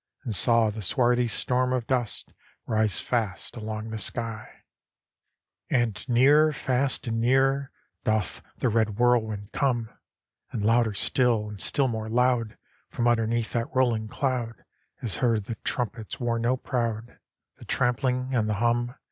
And saw the swarthy storm of dust Rise fast along the sky. 274 HORATIUS And nearer fast and nearer Doth the red whirhvind come; And louder still and still more loud, From underneath that rolling cloud, Is heard the trumpet's war note proud, The trampling, and the hum.